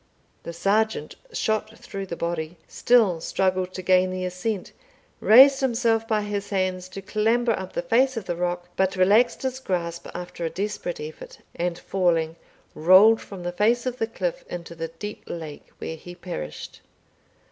The sergeant, shot through the body, still struggled to gain the ascent, raised himself by his hands to clamber up the face of the rock, but relaxed his grasp, after a desperate effort, and falling, rolled from the face of the cliff into the deep lake, where he perished.